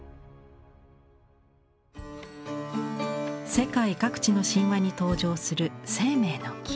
世界各地の神話に登場する「生命の樹」。